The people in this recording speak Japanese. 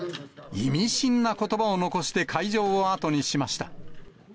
意味深なことばを残して会場を後にしました。